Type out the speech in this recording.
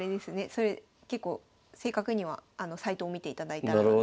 それ結構正確にはサイトを見ていただいたら。